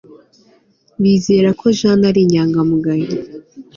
Bizera ko Jane ari inyangamugayo